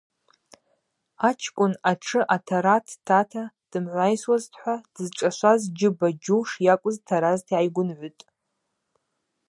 Ачкӏвын атшы атара дтата дымгӏвайсуазтӏхӏва дызшӏашваз Джьыба-Джьу шйакӏвыз таразта йгӏайгвынгӏвытӏ.